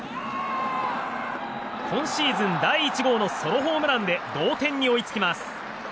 今シーズン第１号のソロホームランで同点に追いつきます。